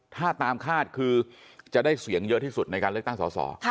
ถ้าตามคาดคือจะได้เสียงเยอะที่สุดในการเลือกตั้งสอสอ